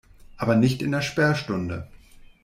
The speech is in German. Aber nicht in der Sperrstunde.